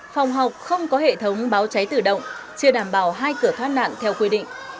phòng học không có hệ thống báo cháy tử động chưa đảm bảo hai cửa thoát nạn theo quy định